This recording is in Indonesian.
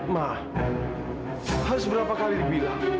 mah harus berapa kali dibilang